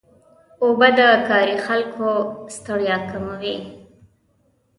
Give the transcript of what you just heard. اوبه د کاري خلکو ستړیا کموي.